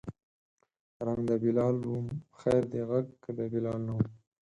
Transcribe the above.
رنګ د بلال وم خیر دی غږ که د بلال نه وم